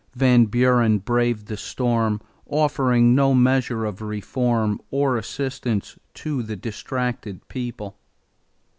Van Buren braved the storm, offering no measure of reform or assistance to the distracted people.